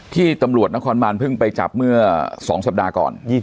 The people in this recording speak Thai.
ที่ตำรวจนครบานเพิ่งไปจับเมื่อ๒สัปดาห์ก่อน